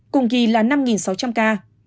cùng kỳ là năm sáu trăm linh ca